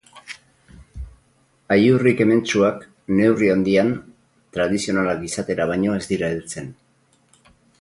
Aiurri kementsuak, neurri handian, tradizionalak izatera baino ez dira heltzen.